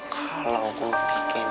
kalau gue bikin